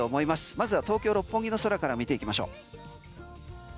まずは東京六本木の空から見ていきましょう。